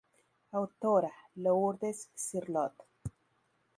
Autora: Lourdes Cirlot.